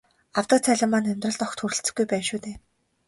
Авдаг цалин маань амьдралд огт хүрэлцэхгүй байна шүү дээ.